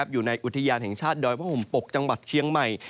อยู่ในอุทยานแห่งชาติดอยพระห่มปกจังหวัดเชียงใหม่